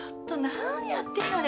何やってんだ？